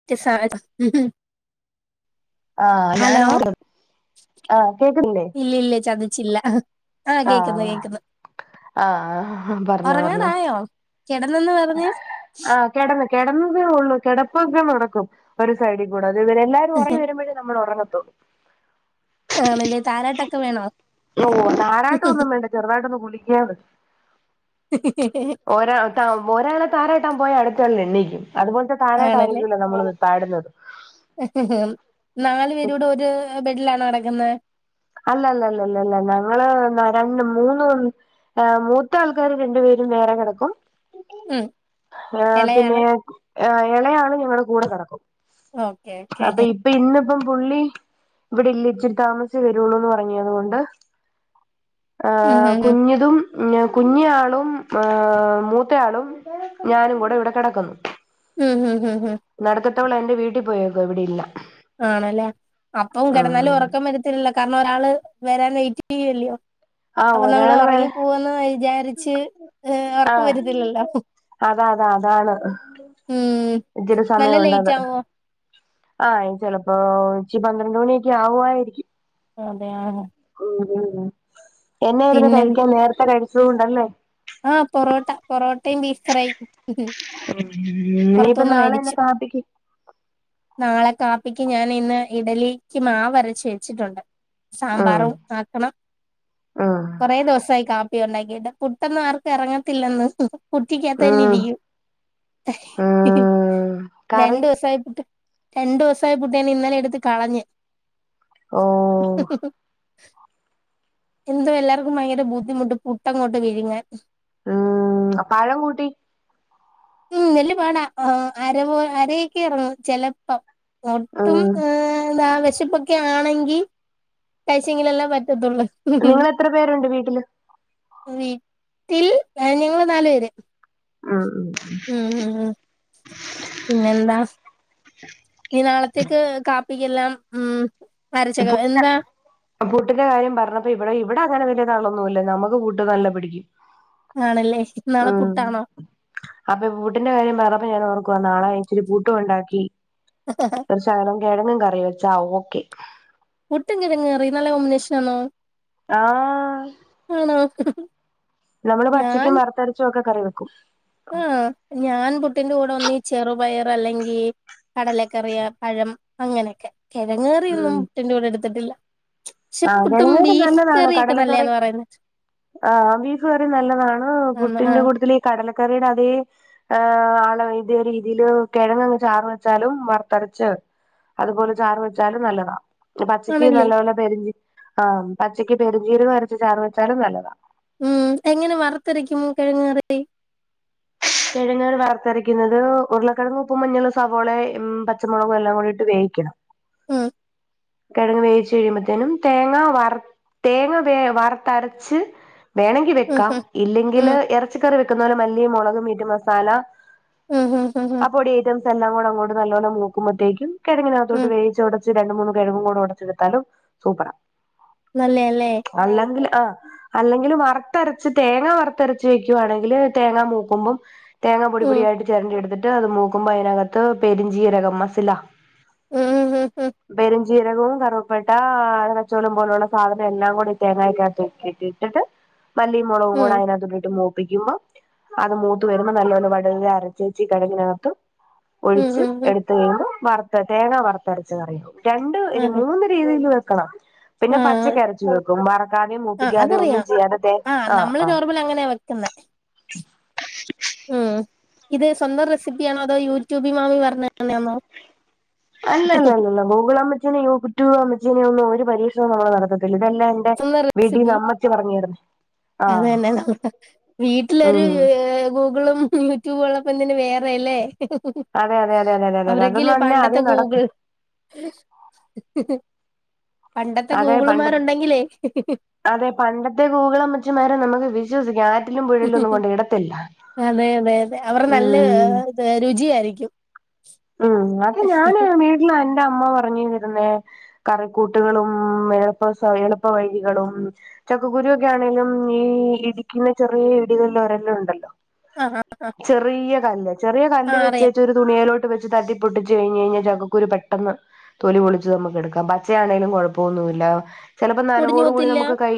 [unintelligible] [unintelligible] ആഹ് ഞാൻ ഹലോ ഓർ ആഹ് കേക്കുന്നില്ലേ ഇല്ല ഇല്ല ചതിച്ചില്ല ആഹ് കേക്കുന്ന് കേക്കുന്നു ആഹ് പറഞ്ഞോ പറഞ്ഞോ ഉറങ്ങാടായോ കിടന്നെന്ന് പറഞ്ഞ് ആഹ് കിടന്ന് കിടന്നതേ ഒള്ളൂ കിടപ്പൊക്കെ നടക്കും ഒരു സൈഡിൽ കൂടെ അതു വരെ എല്ലാവരും ഉറങ്ങി വരുമ്പേത്തേക്കേ നമ്മൾ ഉറങ്ങത്തൊള്ളു ആണല്ലേ താരാട്ടൊക്കെ വേണോ ഓ താരാട്ട് ഒന്നും വേണ്ട ചെറുതായിട്ടൊന്ന് കുല്ക്കിയാമതി ഓരാ ഒരാളെ താരാട്ടാൻ പോയാ അടുത്താള് എണ്ണീക്കും അതുപോലത്തെ താരാട്ടാ ആണല്ലേ ആയിരിക്കില്ല നമ്മൾ പാടുന്നത് നാലു പേരൂടെ ഒരു ബെഡിലാണോ കിടക്കുന്നത് അല്ല അല്ല അല്ല ല്ല ല്ല ല്ല ല്ല ഞങ്ങള് എന്താ രണ്ട് മൂന്ന് മൂത്ത ആൾക്കാര് രണ്ടു പേരും വേറെ കിടക്കും ഉം ഏഹ് പിന്നെ ഇളയാള് ഏഹ് ഇളയാള് ഞങ്ങളടെ കൂടെ കെടക്കും ഓക്കേ ഓക്കേ ഇപ്പം ഇന്നിപ്പം പുള്ളി ഇവിടെ ഇല്ല ഇച്ചിരി താമസി ച്ചേ വെരുവൊളളുന്ന് പറഞ്ഞു അതുകൊണ്ട് ഉം ഏഹ് കുഞ്ഞിതും കുഞ്ഞി ആളും ഏഹ് മൂത്തെയാളും ഞാനും കൂടെ ഇവിടെ കിടക്കുന്നു ഉം ഉം ഉം നട്ക്കത്തവള് എന്റെ വീട്ടിൽ പോയേക്ക ഇവിടെ ഇല്ല ആണല്ലേ അപ്പം കിടന്നാലും ഉം ഉറക്കം വരത്തില്ലല്ലോ കാരണം ഒരാള് വരാൻ വെറ്റ് ചെയ്യല്ലയോ ആഹ് അപ്പൊ നമ്മൾ ഒരാള് ഉറങ്ങി വരാ പോവന്ന് വിചാരിച്ച് ഏഹ് ഒർക്കം ആഹ് വരത്തില്ലല്ലോ അതാ അതാ അതാണ് ഉം ഇച്ചെരി നല്ല സമയം ലേറ്റ് ഉണ്ടത് ആവോ ആഹ് ചെലപ്പോ ഉച്ചി പന്ത്രണ്ട് മണിയൊക്കെ ആവുആയിരിക്കും അതെ ഉം ഉം എന്നെയിര്ന്നു പിന്നെ കഴിക്കാൻ നേരത്തെ കഴിച്ചത് കൊണ്ടല്ലേ ആഹ് പൊറോട്ട പൊറോട്ടയും ബീഫ് ഫ്രൈയും ഉം ഇനീയിപ്പം പൊറത്തുന്ന് നാളെ എന്നാ മേടിച്ചു കാപ്പിക്ക് നാളെ കാപ്പിക്ക് ഞാൻ ഇന്ന് ഇഡലിക്ക് മാവ് അരച്ച് വെച്ചിട്ടുണ്ട് ഉം സാമ്പാറും ആക്കണം ഉം കൊറേ ദിവസായി കാപ്പി ഉണ്ടാക്കിട്ട് പുട്ടൊന്നും ആർക്കും ഇറങ്ങത്തില്ലെന്ന് കുറ്റിക്കാത്തെ ഉം നിധിയും ഉം കറി രണ്ടൂസായി പുട്ട് രണ്ടു ദിവസായി പുട്ട് ഞാൻ ഇന്നലെ എടുത്ത് കളഞ്ഞ് ഓഹ് [inaudible] എന്തോ എല്ലാർക്കും ഭയങ്കര ബുദ്ധിമുട്ട് പുട്ടങ്ങോട്ട് വിഴുങ്ങാൻ ഉം പഴം കൂട്ടി ഉം വല്ല്യ പാടാ ആ അര പോ അരയൊക്കെ ഇറങ്ങു ചിലപ്പം ഒട്ടും ഉം ഏ എന്താ വിശപ്പ ഒക്കെ ആണെങ്കി കഴിച്ചെങ്കില് അല്ലെ പറ്റത്തൊള്ളൂ നിങ്ങള് എത്ര പേരുണ്ട് വീട്ടില് വീട്ടിൽ ഏ ഞങ്ങള് നാല് പേര് ആഹ് ആഹ് ഉം ഉം ഉം പിന്നെന്താ? നീ നാളത്തേക്ക് കാപ്പിക്ക്ല്ലാം ഉം അരച്ചൊക്കെ പുട്ടാ എന്താ പുട്ടിന്റെ കാര്യം പറഞ്ഞപ്പോ ഇവിടെ ഇവിടെ അങ്ങനെ വലിയ ആളൊന്നുല്ല നമുക്ക് പുട്ട് നല്ല പിടിക്കും ആണല്ലേ നാളെ ആഹ് പുട്ടാണോ അപ്പൊ പുട്ടിന്റെ കാര്യം പറഞ്ഞപ്പ ഞാൻ ഓർക്കുവ നാളെ ഇച്ചിരി പുട്ടും ഉണ്ടാക്കി [unintelligible] കെഴങ്ങും കറി വെച്ചാ ഓക്കെ പുട്ടും കിഴങ്ങ് കറി നല്ല കോമ്പിനേഷൻ ആണോ ആഹ് ആണോ നമ്മള് പച്ചക്കും വറ്ത്തരച്ചും ഒക്കെ കറി വെക്കും ഉം ഞാൻ പുട്ടിന്റെ കൂടെ ഒന്നെങ്കി ചെറുപയർ അല്ലെങ്കി കടലക്കറിയ പഴം അങ്ങനൊക്കെ ഉം കിഴങ്ങറിയൊന്നും പുട്ടിന്റെ കൂടെ എടുത്തിട്ടില്ല പക്ഷെ ആഹ് പുട്ടും കിഴങ്ങ് കറി ബീഫ് നല്ലതാണ് കറിയൊക്കെ കടലക്കറി നല്ലയാന്ന് പറയുന്ന ആഹ് ബീഫ് കറി നല്ലതാണ് ആന്ന് പുട്ടിന്റെ ആഹ് കൂട്ടത്തിൽ ഈ കടലക്കറിയുടെ അതേ ഏ ആളെ അയിൻ്റെ ഒരു രീതിയില് കിഴങ്ങ് ചാറ് വെച്ചാലും വറത്തരച്ച് അതുപോലെ ചാറ് വെച്ചാലും നല്ലതാ പച്ചയ്ക്ക് ആണല്ലേ നല്ലപോല്ലെ പെരിഞ്ചി ആഹ് പച്ചയ്ക്ക് പെരിഞ്ചീരകം അരച്ച് ചാറ് വെച്ചാലും നല്ലതാ ഉം എങ്ങനെ വറുത്തെരക്കും കിഴങ്ങ് കറി കിഴങ്ങ്കള് വാർത്തരക്കുന്നത് ഉരുളക്കിഴങ് ഉപ്പും മഞ്ഞൾ സവോളെ പച്ചമുളകും എല്ലാം കൂടിയിട്ട് വേവിക്കണം ഉം കിഴങ്ങ് വേവച്ച് കഴിയുമ്പോത്തേനും തേങ്ങ വറ തേങ്ങ വേ വർത്തരച്ച് വേണെങ്കി ഉം വെക്കാം ഇല്ലെങ്കില് ഉം ഇറച്ചിക്കറി വെക്കുന്ന പോലെ മല്ലിം മുളകും മീറ്റ് മസാല ഉം ഉം ഉം ആ ഉം പൊടി ഐറ്റംസ് എല്ലിം കൂടെ അങ്ങോട്ടേക്ക് നല്ലോണം മൂക്കുമ്പോത്തേക്കും കിഴങ്ങിനകത്തോട്ട് ഉം വേവിച്ച് ഒടച്ച് രണ്ട് മൂന്നും കൂടെ ഒടച്ചെടുത്താലും സൂപ്പറ നല്ലയാല്ലേ അല്ലെങ്കിൽ ആഹ് അല്ലെങ്കിലും വറ്ത്തരച്ച് തേങ്ങ വറ്ത്തരച്ച് വെക്കുവാണെങ്കില് തേങ്ങ മൂക്കുമ്പം തേങ്ങാ പൊടി ഉം പൊടിയായിട്ട് ചിരണ്ടി എടുത്തിട്ട് അത് മൂക്കുമ്പോ അതിനകത്ത് പെരിഞ്ചീരകം മസ് ല ഉം ഉം ഉം പെരഞ്ചീരകവും, കറുപ്പേട്ട, അറച്ചോലം, പോലുള്ള സാധനം എല്ലാം കൂടി തേങ്ങക്കകത്ത് ഇടിട്ട്. ഇിട്ടിട്ട് മല്ലിം, മുളകും. കൂടെ ഉം അതിനകത്തിട്ട് മൂപ്പിക്കുമ്പോ അത് മൂത്ത് വരുമ്പോ നല്ലൊണ്ണം വടവില് അരച്ച് വെച്ച് കടകിനകത്ത്. ഉം ഒഴിച്ച് ഉം ഉം എടുത്ത് കഴിയുമ്പോ വറുത്ത തേങ്ങ വറുത്തരച്ച്കറിയോ രണ്ട് അതെ മൂന്ന് രീതിൽ വെക്കണം പിന്നെ ആഹ് പച്ചക്ക് അരച്ച് വകണം. കുബറക്കാതെയും മൂപ്പിക്കാതെയും ഒന്നും ചെയ്യാതെ തെ ആ ആ നമളള് അങ്ങനെ വെ ക്ക്ന്നേ ഉം ഇത് സ്വന്തം റെസിപ്പിയാണോ അതോ യൂട്യൂബി മാമി പറഞ്ഞ് തരുന്നാണോ? അല്ല അല്ല അല്ലല്ല ഗൂഗിൾ അമ്മച്ചിനെയോ യുട്യൂബ് അമ്മച്ചിനെയൊന്നും ഒരു പരീക്ഷണം നമ്മള് നടത്തത്തില്ല ഇതെല്ലാം. ന്റെ സ്വന്തം വീടീന്ന് അമ്മച്ചി പറഞ്ഞ് തര്ന്ന അതന്നെ നമ്മ വീട്ടിലൊരു ഉം ഗൂഗിളും യൂട്യൂബ് ഉള്ളപ്പോ എന്തിന് വേറെ അല്ലേ അതെ അതെ അതെ അതെ അതെ അതെ അവരെങ്കലെ അതൊന്നും അല്ല പണ്ടത്തെ ആദ്യം ഗൂഗിൾ. നടക്കും ഹ് ഹ് ഹ് പണ്ടത്തെ അതെ പണ്ട ഗൂഗിളുമാരുണ്ടെങ്കിലേ. അതെ പണ്ടത്തെ ഗൂഗുളമ്മച്ചിമാരെ നമുക്ക് വിശ്വസിക്കാംവേ. അതെ അതെ അതെ അവർ നല്ല ഉം രുചിയായിരിക്കും. ഉം അതെ ഞാന് വീട്ടില് എന്റെ അമ്മ പറഞ്ഞിരുന്നേ. കറിക്കൂട്ടുകളും എളുപ്പ എളുപ്പ വഴികളും. ചക്കഗുരു ഒക്കെ ആണെങ്കലും. ഈ ഇടിക്കുന്ന ചെറിയ ഇടികളില് ഒരെല്ലാം ഉണ്ടല്ലോ? ആ ആ ആ ചെറിയ കല്ല് ചെറിയ കല്ല് വെച്ചിട്ട് ഒരു തുണയിലോട്ട് വെച്ച് തട്ടിപ്പൊട്ടിച്ച് കഴിഞ്ഞ് കഴിഞ്ഞാ ചക്കൂര് പെട്ടെന്ന്. തൊലി പൊളിച്ചച്ച് നമുക്ക് എടുക്കാം. പച്ചയാണെങ്കലും കൊഴപ്പമൊന്നുമില്ല. ചിലപ്പോ പൊടിഞ്ഞു നനവോടു കൂടി പോത്തില്ല നമുക്ക് കൈ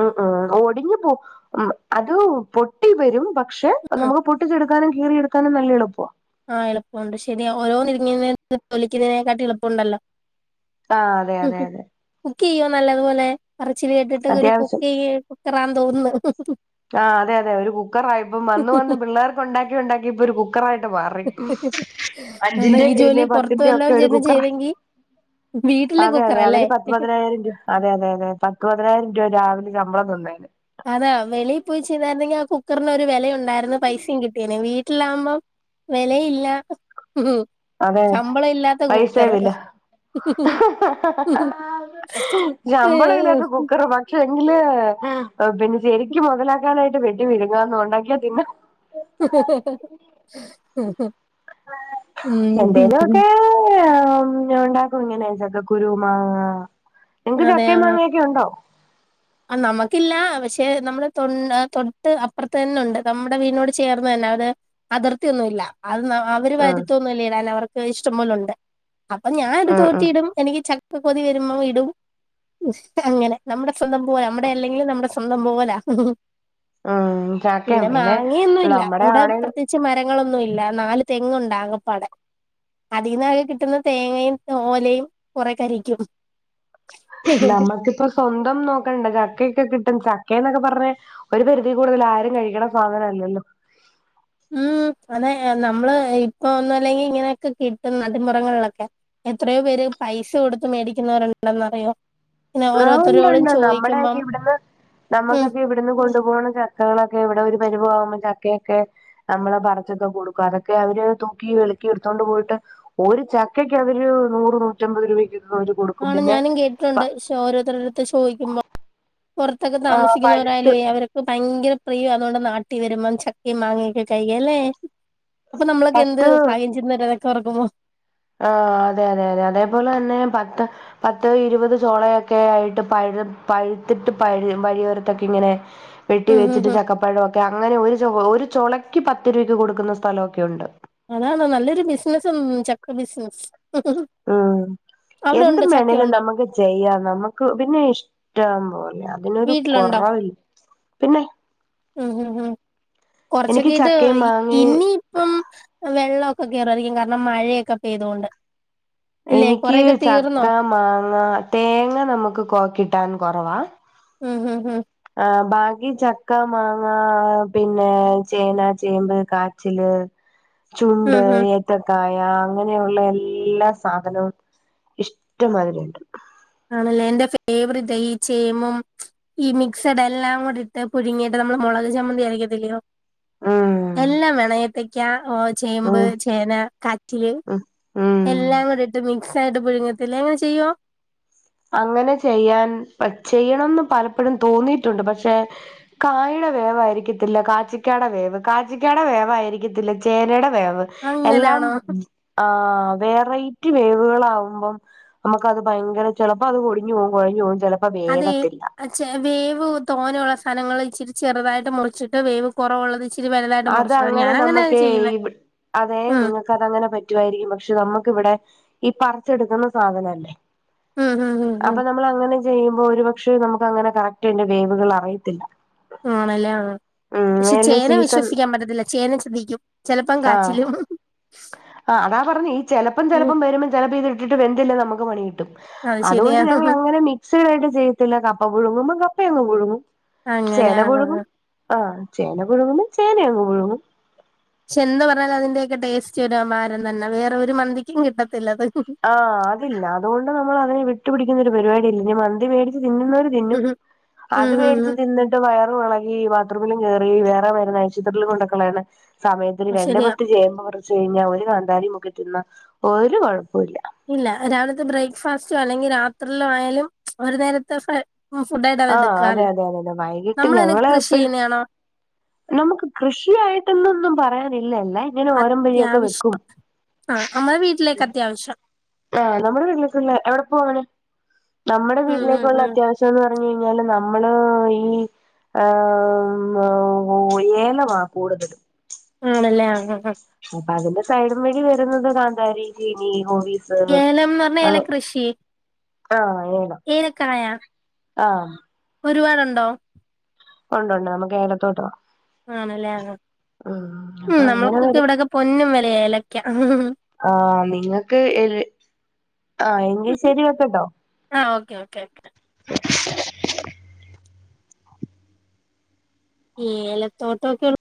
ഉം ഉം ഒടിഞ്ഞു പോവും അത് പൊട്ടി വരും പക്ഷെ ഉം നമുക്ക്. പട്ടിച്ചെടുക്കാനും കീറിയെടുക്കാനും നല്ല എളുപ്പമാണ്. ആഹ് എളുപ്പുണ്ട് ശരി ഓരോ നടുങ്ങ് പേളിക്കുന്നതിനെക്കാട്ടുംഎളുപ്പമുണ്ടല്ലോ? ആ അതെ അതെ അതെ കുക്ക് ചെയ്യോ നല്ലതുപോലെ പറച്ചില് കേട്ടിട്ട്. ഒരു അത്യാവശ്യം കുക്ക് കുക്കറാണെന്ന് തോന്നുന്നു. ആ അതെ അതെ ഒരു കുക്കറ. ആ ഇപ്പ വന്ന് വന്ന് പിള്ളേർക്ക് ഉണ്ടാക്കി ഉണ്ടാക്കി. ഇപ്പേ ഒരു കു കുക്കറായിട്ട് മാറി എന്നാ ഈ അഞ്ചിന്റെയും, ജോലി ഏഴിന്റെയും, പുറത്തു പത്തിന്റെയും, ഒക്കെ വല്ലോം ഒരു ചെന്ന് കുക്കർ. ചെയ്തെങ്കി വീട്ടില് അതെ അതെ കുക്കറല്ലേ അതൊരു പത്ത പതിനായിരം രൂപ അതെ അതെ അതെ പത്തുപതിനായിരം രൂപ രാവിലെ ശമ്പളം തന്നേക്ക്. അതാ വെളിപോയി ചെയ്തായിരുന്നെങ്കിൽ. ആ കുക്കറിന് ഒരു വിലയുണ്ടായിരുന്നു. പൈസയും കിട്ടിയേനേ വീട്ടിലാകുമ്പോ വെലയില്ല. ഹ് ഹ് അതെ പൈസയുമില്ല. ഹ് ഹ് ഹ് ശമ്പളം ഇല്ലാത്ത കുക്കർ മർ. പക്ഷെങ്കില് പിന്നെ ശരിക്കും മുതലാക്കാനായിട്ട് വെണ്ടി വിഴങ്ങുകന്ന് ഉണ്ടാക്കിയാൽ പിന്നെ [unintelligible] ഉം എന്തേലുമൊക്കെ ഞൻ ഉണ്ടാക്കും. ഇങ്ങനെ ചക്ക കുരു മാങ്ങ നിങ്ങക്ക് അതെ ചക്ക ആ മാങ്ങൊ യെക്കെ ഉണ്ടോ? ആ നമുക്കില്ല. പക്ഷെ നമ്മുടെ തൊ തൊട്ട് അപ്പുറത്ത് തന്നെുണ്ട്. നമ്മുടെ വീടിനോട് ചേർന്ന് തന്നെ അത്. അതിർത്തിയൊന്നുംമില്ല. അത് അവര് ഉം വരുത്തൊന്നുംല്ല. ഇടാൻ അവർക്ക് ഇഷ്ടം പേലുണ്ട്. അപ്പേ ഞാൻ എടുത്ത് ഉം ഉം കൊത്തിയിടും എനിക്ക് ചക്ക കൊതി വരുമ്പോ ഇടും അങ്ങനെ നമ്മുടെ നമ്മടെ അല്ലെങ്കിലും നമ്മുടെ സ്വന്തം പോലാ ഉം ചക്കയും പിന്നെ മാങ്ങയൊന്നുമില്ല നമ്മടെ ഇവിടെ ആണേലും പ്രത്യേ പച്ച മരങ്ങളൊന്നും ഇല്ല നാല് തെങ്ങുണ്ട് ആകെപ്പാടെ അതിന്ന്ആകെ കിട്ടുന്ന തേങ്ങയും ഓലയും കുറെ കരിക്കും നമ്മക്കിപ്പോ സ്വന്തം നോക്കണ്ട ചക്കൊക്കെ കിട്ടും ചക്ക എന്നൊക്കെ പറഞ്ഞ ഒരു പരിധി കൂടുതൽ ആരും കഴിക്കണ സാധനം അല്ലല്ലോ ഉം അതെ നമ്മള് ഇപ്പ ഒന്നും അല്ലെങ്കിൽ ഇങ്ങനെയൊക്കെ കിട്ടും നടിപുറങ്ങളിലൊക്കെ എത്രയോ പേര് പൈസ കൊടുത്ത് മേടിക്കുന്നവരുണ്ടെന്നറിയോ ഇങ്ങനെ ആഹ ഓരോരുത്തരോടും ഉണ്ട്ണ്ട് നമ്മുടെ ചോദിക്കുമ്പം ഒക്കെ ഇവിടുന്ന് ഉം നമ്മുക്കൊക്കെ ഇവിടു ഇവിന്ന് കൊണ്ടുപോകുന്ന ചക്കകളൊക്കെ ഇവിടെ ഒരു പരിവ് ആകുമ്പോ ചക്കയൊക്കെ നമ്മള് പറിച്ചൊക്കെ കൊടുക്കും അതൊക്കെ അവര് തൂക്കി വളക്കി എടുത്തോണ്ട് പോയിട്ട് ഒരു ചക്കക്ക് അവര് നൂറ് നൂറ്റമ്പത് രൂപക്ക് [inaudible] ആണ് ഞാനും കേട്ടിട്ടുണ്ട് ഓരോരുത്തടെത്ത് ചോദിക്കുമ്പോൾ പുറത്തൊക്കെ ആ പഴുത്ത് താമസിക്കുന്നവരാലും അവര് ഭയങ്കര പ്രിയം അതുകൊണ്ട് നാട്ടി വരുമ്പോം ചക്കയും മാങ്ങൊക്കെ കഴിക്കാൻ അല്ലെ അപ്പേ നമ്മളൊക്കെ എന്ത് പത്ത് ഭാഗ്യം ചെയ്യുന്നുണ്ട് അതൊക്കെ ഓർക്കുമ്പോൾ ആഹ അതെ അതെ അതെ അതെപോലെ തന്നെ പത്ത് പത്തോ ഇരുപതോ ചോളയായിട്ട് പഴ പഴുത്തിട്ട് പഴ് വഴിയോരത്തിങ്ങനെ വെട്ടി ഉം ഉം വെച്ചിട്ട് ഉം ചക്കപ്പഴൊക്കെ അങ്ങനെ ഒരു ചൊ ഒരു ചൊളക്ക് പത്ത് രൂപയ്ക്ക് കൊടുക്കുന്ന സ്ഥലമൊക്കെ ഉണ്ട് അതാണോ നല്ലൊരു ബിസിനസ്സാണ്‌ ചക്ക ബിസിനസ്സ് ഉം എന്ത് ഉണ്ടോ വേണേലും ചക്കയുണ്ടോ നമുക്ക് ചെയ്യാ നമുക്ക് പിന്നെ ഇഷ്ടം പോലെ അതിനൊരു കൊറവില്ല പിന്നെ ഉ ഉ എനിക്ക് കൊറച്ചൊക്കെ ഇത് ചക്കയും മാങ്ങയും ഇനി ഇപ്പം വെള്ളക്കെ കേറുആയിരിക്കും കാരണം മഴയൊക്കെ പെയ്തോണ്ട് അല്ലെ എനിക്ക് കൊറെയൊക്കെ ചക്ക തീർന്നോ മാങ്ങ തേങ്ങ നമുക്ക് കൊ കിട്ടാൻ കുറവാ. ഹും ഹും ഹും ആഹ ബാക്കി ചക്ക മാങ്ങ പിന്നെ ചേന ചേമ്പ് കാച്ചില്. [unintelligible] ചുണ്ട് ഉം ഹും എ ത്തക്കായ അങ്ങനെയുള്ള എല്ലാ സാധനവും ഇഷ്ടംമാതിരി ഉണ്ട്. ആണല്ലേ എന്റെ ഫേവറേറ്റാ ഈ ചേമും ഈ മിക്സഡ് എല്ലാം കൂടി ഇട്ട് പുഴുങ്ങിയിട് നമ്മള് മുളക് ചമ്മന്തി അരക്കത്തില്ലയോ. ഉം എല്ലാം വേണം ഏത്തക്ക ഓ ചേമ്പ് ഉം ചേന കാറ്റില്. ഉം ഉം എല്ലാം കൂടി ഇട്ട് മിക്സ് ആയിട്ട് പുഴുങ്ങത്തില്ലേ അങ്ങനെ ചെയ്യോ. അങ്ങനെ ചെയ്യാൻ ചെയ്യണംന്ന് പലപ്പോഴും തോന്നിയിട്ടുണ്ട് പക്ഷെ. കായുടെ വേവ് ആയിരിക്കത്തില്ല കാച്ചിക്കാടെ വേവ് കാച്ചിക്കാടെ വേവ ആയിരിക്കത്തില്ല ചേനയുടെ വേവ്. എല്ലാം അങ്ങനാണോ ഉം ആഹ് വെറൈറ്റി വേവുകളാവുമ്പം നമുക്കത് ഭയങ്കര ചെലപ്പോ അത് കൊടിഞ്ഞു പോവും കൊഴഞ്ഞു പോവും ചെലപ്പോ വേവത്തില്ല. ആഹാ വേവ് തോന്നെയുള്ള സ്ഥലങ്ങളിൽ ഇച്ചിരി ചെറുതായിട്ട് മുറിച്ചിട്ട് വേവ് കുറവുള്ളത് ഇച്ചി അത് അങ്ങനെ നമുക്കെ -അതെ ഉം നിങ്ങക്ക് അതങ്ങനെ പറ്റുവായിരിക്കും പക്ഷെ നമുക്കിവിടെ ഈ പറിച്ചെടുക്കുന്ന സാധനം അല്ലേ. ഉം ഉം അപ്പൊ ഉം നമ്മള് അങ്ങനെ ചെയ്യുമ്പോ ഒരു പക്ഷെ നമുക്ക് അങ്ങനെ കറക്റ്റ് അതിന്റെ വേവുകൾ അറിയത്തില്ല. ആണല്ലേ ആഹ ഉം പക്ഷെ ഏതായാലും ചേന സീസൺ വിശ്വസിക്കാൻ പറ്റത്തില്ല ചേന ചതിക്കും. ചെലപ്പം ആഹ് കാച്ചിലും ആ അതാ പറഞ്ഞേ ഈ ചെലപ്പം ഉം ചെലപ്പം വരുമ്പം ചെലപ്പോ ഇതി ട്ടിട്ട് വെന്തില്ലേ നമുക്ക് പണി കിട്ടും അത് ശരിയാ അതുകൊണ്ട് ഞങ്ങളങ്ങനെ മി സ്ഥിരായിട്ട് ചെയ്യത്തില്ല കപ്പ പുഴുങ്ങുമ്പം കപ്പയങ്ങ് പുഴുങ്ങും അങ്ങനെ ചേന ആ ആ ആ. പുഴുങ്ങും. ആഹ് ചേന പുഴുങ്ങുമ്പം ചേന അങ്ങ് പുഴുങ്ങും. ക്ഷെ എന്ത് പറഞ്ഞാല് അതിന്റെയൊക്കെ ടേസ്റ്റ് ഒരു അപാരം തന്നെ വേറെ ഒരു മന്തിക്കും കിട്ടത്തില്ലത്. ആഹ് അതില്ല അതുകൊണ്ട് നമ്മള് അതിനെ വിട്ടുപിടിക്കുന്ന ഒരു പരിപാടി ഇല്ല ഞ്ഞി മന്തി മേടിച്ച് തിന്നുന്നൊരു തിന്നും ഉം ഉം അത് ഉം മേടിച്ച് ഉം തിന്നിട്ട ട്ട് വയറും എളകി ബാത്റൂമിലും കേറി വേറെ വരുന്ന ആശുപത്രിയിലും കൊണ്ട്‌ക്കളയാണ സമയത്ത്ന് അത് രണ്ട്‌ ശരിയാ പത്ത് ചേമ്പ് മുറിച്ച് കഴിഞ്ഞാ ഒരു കാന്താരിം മുക്കി തിന്നാ ഒരു കുഴപ്പോല്ല. ഇല്ല രാവിലത്തെ ബ്രേക്ക്ഫാസ്റ്റോ അല്ലെങ്കി രാത്രിലോ ആയാലും ഒരു നേരത്തെ ഫ്ര ഫുഡായിട്ട് അവ ആഹ് അതെ എടുക്കാലോ അതെ അതെ അതെ വൈകിട്ട് നമ്മളനെ ഞങ്ങള് കൃഷി എപ്പഴും ചെയ്യുന്നേണോ. നമുക്ക് കൃഷിയായിട്ടന്നൊന്നും പറയാനില്ലല്ലേ. അത്യാവിശ്യം ആ നമ്മ വീട്ടിലേക്ക് അത്യാവിശ്യം ആ നമ്മുടെ വീട്ടിലേക്കുള്ള എവിടെ പോവാണ് നമ്മുടെ ഉം ഉം വീട്ടിലേക്കുള്ള ഉം അത്യാവിശ്യ ന്ന് പറഞ്ഞ് കഴിഞ്ഞാല് നമ്മള് ഈ ആ-മ്മം ഏലമാ കൂടുതല്. ആണല്ലേ ആഹ് ആഹ് ആഹ് [unintelligible] സൈഡും വഴി വരുന്നത് കാന്താരി ചീനി ഹോവി [unintelligible] ഏലംന്ന് പറഞ്ഞാ ഏല ആഹ് കൃഷി ആഹ് ഏടാം ഏലക്കായ ആഹ് ഒരുപാടുണ്ടോ ഉണ്ട്‌ ണ്ട് നമ്മുക്ക് ഏലത്തോട്ടവാ. ആണല്ലേ ആ ഉം ഉം അപ്പൊ അങ്ങനെ നമുക്കൊക്കെ വരും ഇവിടെക്കെ പൊന്നും വിലയാ ഏലക്കാ. ആഹ് നിങ്ങൾക്ക് എ എങ്കിൽ ശരി വെക്കട്ടോ. ആഹ് ഓക്കെ ഓക്കെ ഓക്കെ. ഏലത്തോട്ടമൊക്കെ.